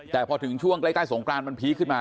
แต่พอถึงช่วงใกล้สงกรานมันพีคขึ้นมา